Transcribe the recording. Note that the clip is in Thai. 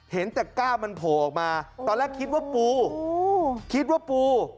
เห็นตะก้ามันโผล่ออกมาตอนแรกคิดว่าปูคิดว่าปู